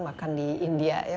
bahkan di india ya